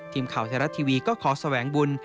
ทีมข่าวไทยรัฐทีวีก็ขอแสวงบุญ